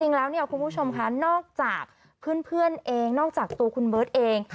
คุณคุณผู้ชมคะนอกจากเพื่อนเองนอกจากตัวคุณเบิร์ดเอง